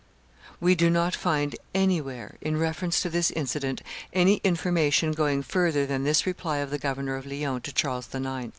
We do not find anywhere, in reference to this incident, any information going further than this reply of the governor of Lyons to Charles IX.